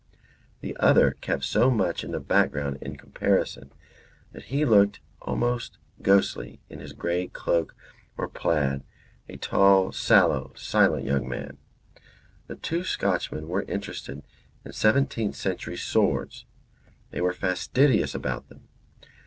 The other kept so much in the background in comparison that he looked almost ghostly in his grey cloak or plaid, a tall, sallow, silent young man. The two Scotchmen were interested in seventeenth century swords. They were fastidious about them.